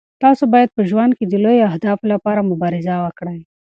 تاسو باید په ژوند کې د لویو اهدافو لپاره مبارزه وکړئ.